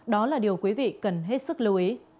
đó là điều quý vị cần hết sức lưu ý